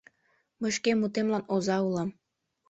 Мый шке мутемлан оза улам.